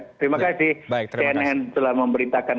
terima kasih cnn telah memberitakan